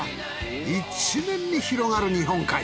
一面に広がる日本海。